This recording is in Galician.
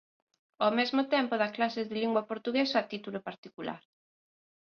Ao mesmo tempo dá clases de Lingua Portuguesa a título particular.